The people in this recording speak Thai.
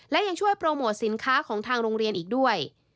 และยังช่วยโปรโมทสินค้าของทางโรงเรียนอีกด้วย